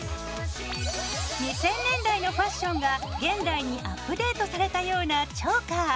２０００年代のファッションが現代にアップデートされたようなチョーカー。